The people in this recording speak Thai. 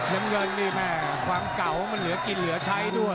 น้ำเงินนี่แม่ความเก่ามันเหลือกินเหลือใช้ด้วย